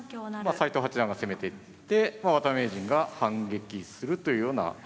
斎藤八段が攻めていって渡辺名人が反撃するというような。